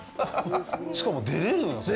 しかも出れるんですか。